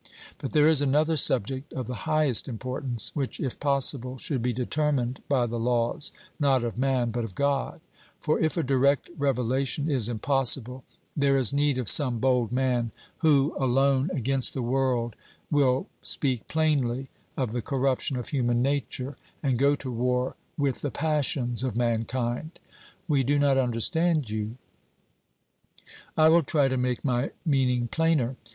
But there is another subject of the highest importance, which, if possible, should be determined by the laws, not of man, but of God; or, if a direct revelation is impossible, there is need of some bold man who, alone against the world, will speak plainly of the corruption of human nature, and go to war with the passions of mankind. 'We do not understand you.' I will try to make my meaning plainer.